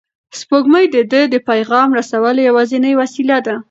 سپوږمۍ د ده د پیغام رسولو یوازینۍ وسیله ده.